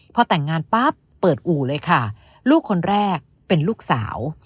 พอแต่งงานปั๊บเปิดอู่เลยค่ะลูกคนแรกเป็นลูกสาว